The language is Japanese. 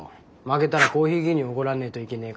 負けたらコーヒー牛乳おごらねえといけねえからさ。